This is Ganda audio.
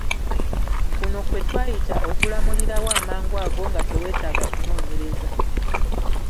Kuno kwe twayita okulamulirawo amangu ago nga teweetaaga kunoonyereza.